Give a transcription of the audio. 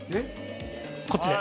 こっちで。